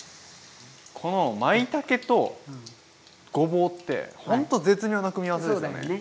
このまいたけとごぼうってほんと絶妙な組み合わせですよね。